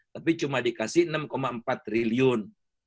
tapi cuma dikasih enam empat triliun